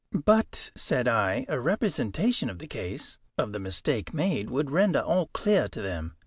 "But," said I, "a representation of the case of the mistake made would render all clear to them.